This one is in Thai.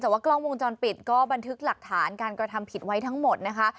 แต่ว่ากล้องวงจรปิดก็บันทึกหลักฐานการกระทำผิดไว้ทั้งหมดนะคะ